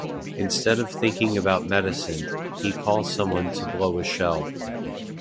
Instead of thinking about medicine, he calls someone to blow a shell.